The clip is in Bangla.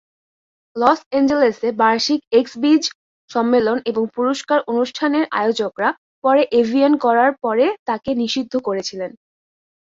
লস অ্যাঞ্জেলেসে বার্ষিক এক্স-বিজ সম্মেলন এবং পুরস্কার অনুষ্ঠানের আয়োজকরা পরে এভিএন করার পরে তাকে নিষিদ্ধ করেছিলেন।